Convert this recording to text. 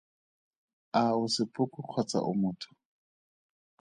A o sepoko kgotsa o motho?